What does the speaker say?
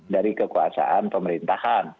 dari kekuasaan pemerintahan